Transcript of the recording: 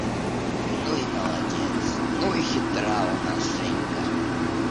– Ну и молодец, ну и хитра у нас Женька!